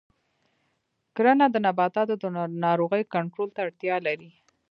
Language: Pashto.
کرنه د نباتاتو د ناروغیو کنټرول ته اړتیا لري.